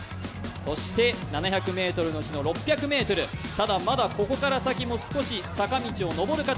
そして７００ｍのうちの６００ｍ、ただまだここから先も少し坂道を上る形。